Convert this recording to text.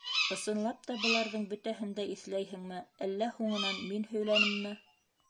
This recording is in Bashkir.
— Ысынлап та быларҙың бөтәһен дә иҫләйһеңме, әллә һуңынан мин һөйләнемме?